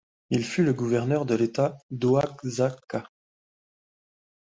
Il fut le gouverneur de l'État d'Oaxaca.